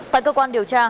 tại cơ quan điều tra